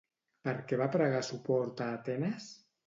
Per què va pregar suport a Atenes?